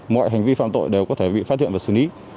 mọi hành vi phạm tội đều có thể bị phát hiện và xử lý